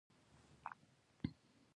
یو هیات به کابل ته درسي.